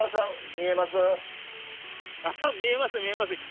「見えます見えます」。